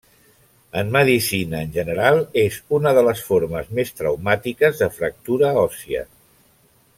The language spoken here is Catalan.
En medicina en general, és una de les formes més traumàtiques de fractura òssia.